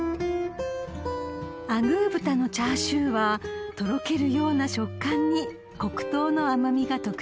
［アグー豚のチャーシューはとろけるような食感に黒糖の甘味が特徴です］